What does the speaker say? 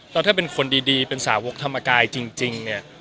แล้วถ้าเป็นคนดีเป็นสาวกธรรมกายจริงเนี่ย